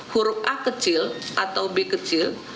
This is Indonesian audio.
huruf a kecil atau b kecil